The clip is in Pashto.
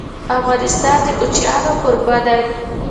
افغانستان د کوچیانو کوربه دی..